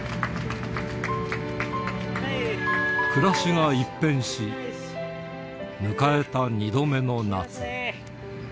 暮らしが一変し、迎えた２度目の夏。